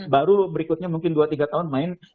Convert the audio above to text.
baru berikutnya mungkin dua tiga tahun main